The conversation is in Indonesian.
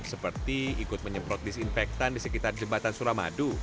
seperti ikut menyemprot disinfektan di sekitar jembatan suramadu